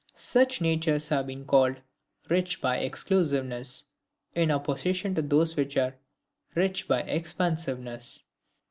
Such natures have been called "rich by exclusiveness;" in opposition to those which are "rich by expansiveness."